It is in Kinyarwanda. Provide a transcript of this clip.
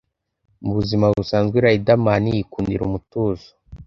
Mu buzima busanzwe Riderman yikundira umutuzo